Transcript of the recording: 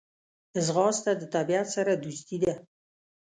ځغاسته د طبیعت سره دوستي ده